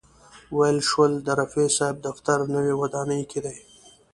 ویل شول د رفیع صاحب دفتر نوې ودانۍ کې دی.